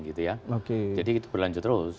jadi itu berlanjut terus